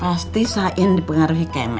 pasti sain dipengaruhi keme